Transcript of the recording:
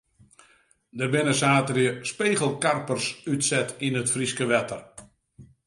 Der binne saterdei spegelkarpers útset yn it Fryske wetter.